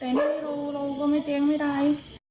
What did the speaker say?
แต่นะคะเราก็จิ๊งไม่ได้